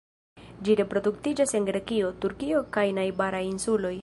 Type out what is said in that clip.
Ĝi reproduktiĝas en Grekio, Turkio kaj najbaraj insuloj.